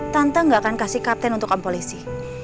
tante gak akan kasih kapten untuk om polisi